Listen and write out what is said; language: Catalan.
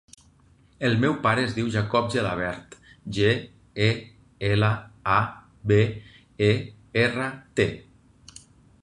El meu pare es diu Jacob Gelabert: ge, e, ela, a, be, e, erra, te.